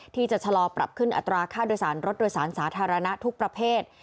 ที่จะชะลอปรับขึ้นอัตราค่าโดยสารรถโดยสารสาธารณะทุกประเภท